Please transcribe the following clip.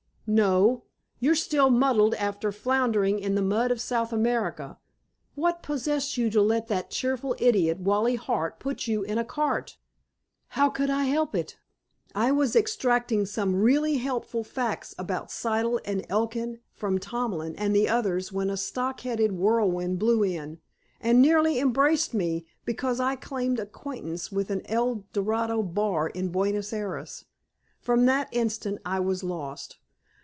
"No. You're still muddled after floundering in the mud of South America. What possessed you to let that cheerful idiot, Wally Hart, put you in the cart?" "How could I help it? I was extracting some really helpful facts about Siddle and Elkin from Tomlin and the others when a shock headed whirlwind blew in, and nearly embraced me because I claimed acquaintance with the El Dorado bar in Buenos Ayres. From that instant I was lost.